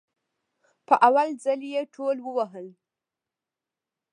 په اول ځل يي ټول ووهل